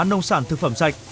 nông sản thực phẩm sạch